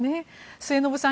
末延さん